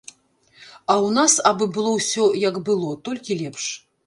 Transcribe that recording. А ў нас абы было ўсё як было, толькі лепш.